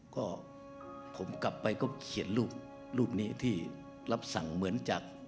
ก็ผมกลับไปก็เขียนรูปรูปนี้ที่รับสั่งเหมือนจาก